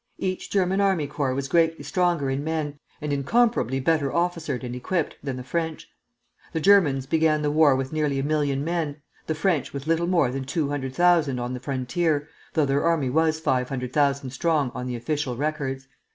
Each German army corps was greatly stronger in men, and incomparably better officered and equipped, than the French. The Germans began the war with nearly a million men; the French with little more than two hundred thousand on the frontier, though their army was five hundred thousand strong on the official records.